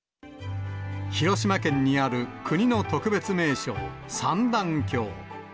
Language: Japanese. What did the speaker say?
広島県にある国の特別名勝、三段峡。